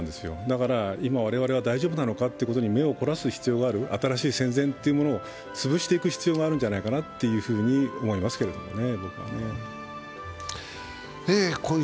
だから今、我々は大丈夫なのかと目を凝らす必要がある新しい戦前をつぶしていく必要があるんじゃないかなと思いますけどね。